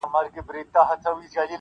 • که سینه ساتې له خاره چي رانه سې -